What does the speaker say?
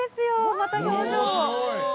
また表情を。